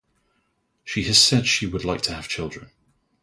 She has said that she would like to have children.